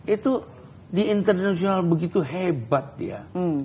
itu di internasional begitu hebat dia